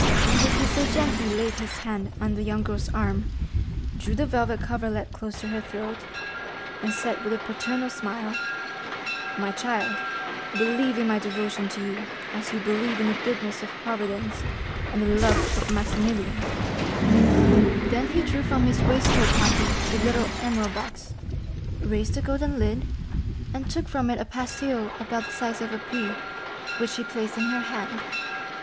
Monte Cristo gently laid his hand on the young girl's arm, drew the velvet coverlet close to her throat, and said with a paternal smile: "My child, believe in my devotion to you as you believe in the goodness of Providence and the love of Maximilian." Valentine gave him a look full of gratitude, and remained as docile as a child. Then he drew from his waistcoat pocket the little emerald box, raised the golden lid, and took from it a pastille about the size of a pea, which he placed in her hand.